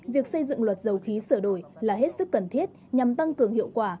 việc xây dựng luật dầu khí sửa đổi là hết sức cần thiết nhằm tăng cường hiệu quả